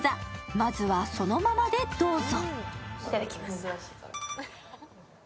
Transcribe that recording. まずは、そのままでどうぞ。